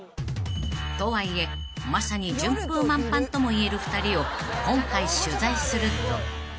［とはいえまさに順風満帆ともいえる２人を今回取材すると］